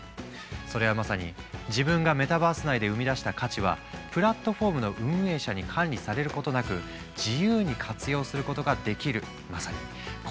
それはまさに自分がメタバース内で生み出した価値はプラットフォームの運営者に管理されることなく自由に活用することができる。